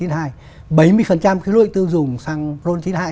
bảy mươi người tiêu dùng xăng ron chín mươi hai